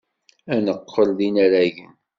Ad neqqel d inaragen.